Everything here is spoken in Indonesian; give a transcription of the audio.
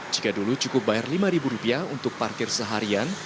jika dulu cukup bayar lima rupiah untuk parkir seharian